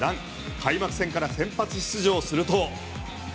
開幕戦から先発出場すると。